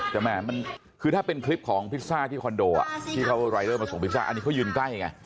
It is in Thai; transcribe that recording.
จำแหมมันคือถ้าเป็นคลิปของพิซ่าที่คอนโดะรายเริ่มให้ส่งพิซ่าอันนี้เขายืนใกล้เลยนะ